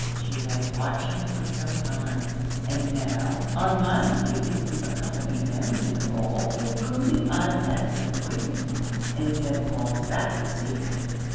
She has watched me for some time; and now, on my refusing to accompany them to the ball, concluded I had an appointment, and sent Crofts back to see.'